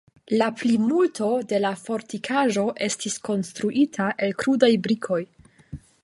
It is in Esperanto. La plimulto de la fortikaĵo estis konstruita el krudaj brikoj.